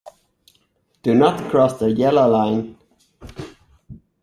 Do not cross the yellow line.